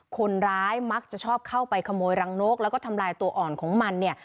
คนร้ายมักจะชอบเข้าไปขโมยรังนกแล้วก็ทำลายตัวอ่อนของมันเนี่ย